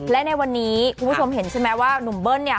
และในวันนี้คุณผู้ชมเห็นใช่ไหมว่าหนุ่มเบิ้ลเนี่ย